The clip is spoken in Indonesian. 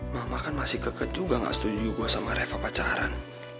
mama kan masih keket juga nggak setuju gue sama reva pacaran